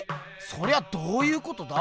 そりゃどういうことだ？